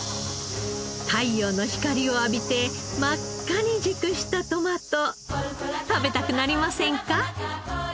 太陽の光を浴びて真っ赤に熟したトマト食べたくなりませんか？